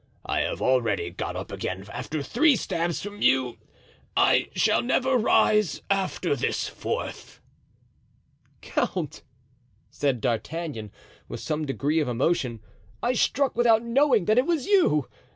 "I have already got up again after three stabs from you, I shall never rise after this fourth." "Count!" said D'Artagnan, with some degree of emotion, "I struck without knowing that it was you.